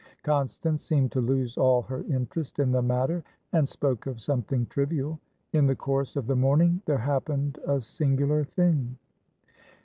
Constance seemed to lose all her interest in the matter, and spoke of something trivial. In the course of the morning there happened a singular thing.